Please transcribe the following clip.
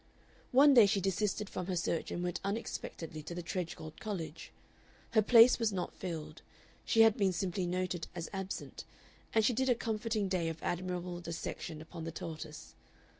One day she desisted from her search and went unexpectedly to the Tredgold College. Her place was not filled; she had been simply noted as absent, and she did a comforting day of admirable dissection upon the tortoise.